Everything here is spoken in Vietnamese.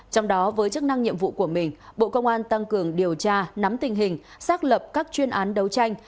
trong đó với chức năng nhiệm vụ của mình bộ công an tăng cường điều tra nắm tình hình xác lập các chuyên án đấu tranh